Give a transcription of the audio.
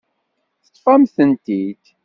Teṭṭef-am-tent-id.